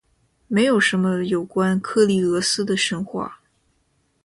没有什么有关克利俄斯的神话。